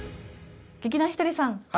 劇団ひとりさん！